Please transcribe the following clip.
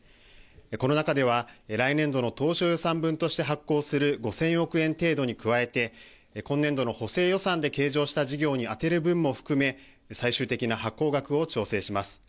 この中では来年度の当初予算分として発行する５０００億円程度に加えて今年度の補正予算で計上した事業に充てる分も含め最終的な発行額を調整します。